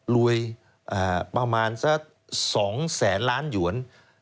รวยประมาณสัก๒แสนล้านหยวน